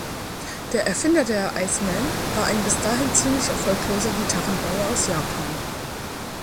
Der Erfinder der Iceman war ein bis dahin ziemlich erfolgloser Gitarrenbauer aus Japan.